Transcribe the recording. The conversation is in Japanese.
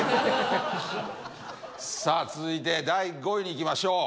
さあ続いて第５位にいきましょう。